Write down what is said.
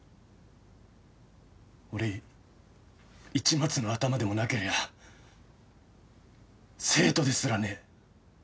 俺市松のアタマでもなけりゃ生徒ですらねえ。